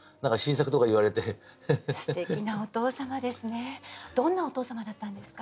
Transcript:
すてきなお父様ですね。